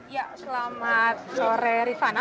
ya selamat sore rifana